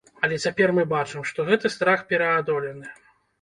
Але цяпер мы бачым, што гэты страх пераадолены.